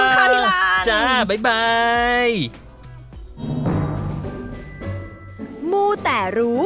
ขอบคุณค่ะที่ร้าน